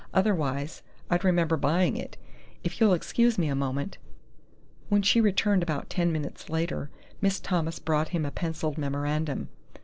Otherwise, I'd remember buying it.... If you'll excuse me a moment " When she returned about ten minutes later, Miss Thomas brought him a pencilled memorandum.